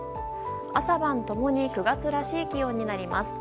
朝晩ともに９月らしい気温になります。